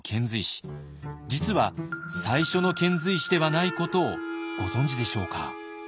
実は最初の遣隋使ではないことをご存じでしょうか。